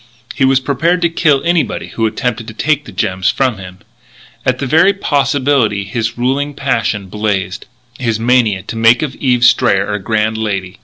He was prepared to kill anybody who attempted to take the gems from him. At the very possibility his ruling passion blazed his mania to make of Eve Strayer a grand lady.